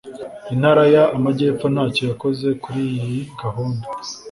intara y amajyepfo ntacyo yakoze kuri iyi gahunda